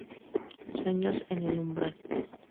Sueños en el umbral.